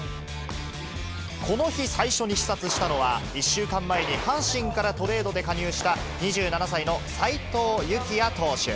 この日、最初に視察したのは、１週間前に阪神からトレードで加入した、２７歳の齋藤友貴哉投手。